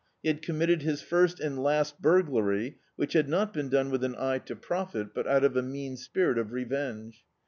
He had committed his first and last burglary, which had not been done with an eye to profit, but out of a mean spirit of revenge.